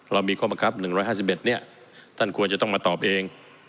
เรามีข้อบังคับหนึ่งร้อยห้าสิบเอ็ดเนี้ยท่านควรจะต้องมาตอบเอง